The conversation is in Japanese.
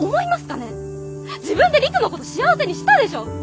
自分で陸のこと幸せにしたでしょう？